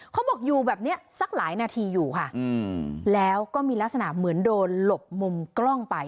เขาบอกอยู่แบบนี้สักหลายนาทีอยู่ค่ะแล้วก็มีลักษณะเหมือนโดนหลบมุมกล้องไป